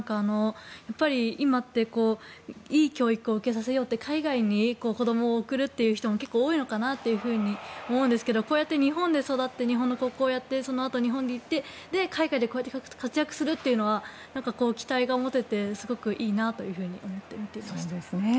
やっぱり今っていい教育を受けさせようって海外に子どもを送るという人も結構多いのかなと思うんですがこうやって日本で育って日本の高校をやってそのあと日本でやって海外で活躍するというのは期待が持ててすごくいいなというふうに思って見ていました。